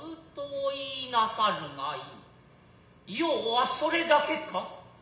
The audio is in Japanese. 用はそれだけか。